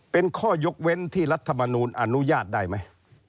เป็นข้อยกเว้นที่รัฐมนูลอนุญาตได้ไหม